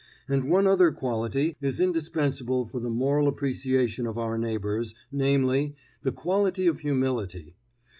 And one other quality is indispensable for the moral appreciation of our neighbors, namely, the quality of humility.